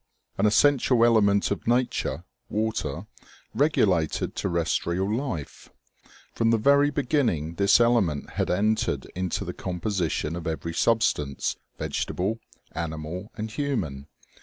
An essential element of nature, water, regulated terrestrial life ; from the very beginning this element had entered into the composition of every substance, vegetable, animal and human.